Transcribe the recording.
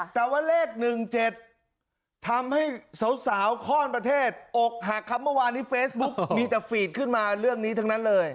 แต่ว่าเลข๑๗ทำให้สาวข้อนประเทศอกหักครับเมื่อวานนี้เฟซบุ๊กมีแต่ฟีดขึ้นมาเรื่องนี้ทั้งนั้นเลย